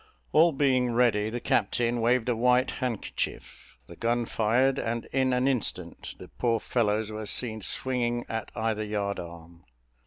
All being ready, the captain waved a white handkerchief, the gun fired, and in an instant the poor fellows were seen swinging at either yard arm.